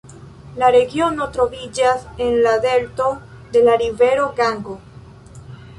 La regiono troviĝas en la delto de la rivero Gango.